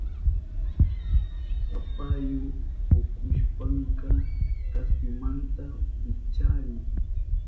Papayu pukushpanka kaspimanta wicharin.